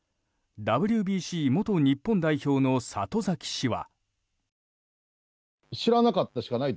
ＷＢＣ元日本代表の里崎氏は。